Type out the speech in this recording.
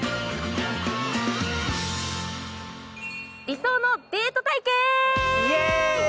理想のデート体験！